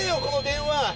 この電話！